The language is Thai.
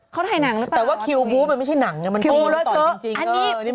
เขาถ่ายหนังรึเปล่าเออไม่รู้มันมีหมี่มันต่อจริง